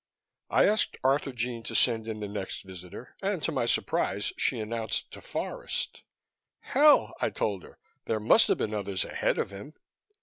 I asked Arthurjean to send in the next visitor and to my surprise she announced DeForest. "Hell!" I told her. "There must have been others ahead of him."